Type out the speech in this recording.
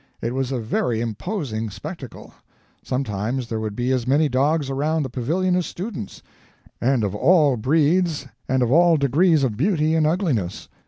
It was a very imposing spectacle. Sometimes there would be as many dogs around the pavilion as students; and of all breeds and of all degrees of beauty and ugliness.